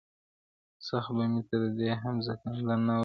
سخت به مي تر دې هم زنکدن نه وي ,